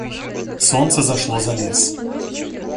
Солнце зашло за лес.